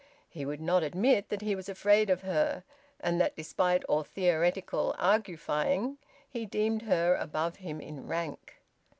He would not admit that he was afraid of her, and that despite all theoretical argufying, he deemed her above him in rank.